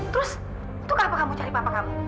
terus itu kenapa kamu cari papa kamu